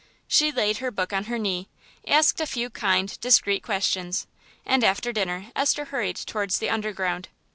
She laid her book on her knee, asked a few kind, discreet questions, and after dinner Esther hurried towards the Underground.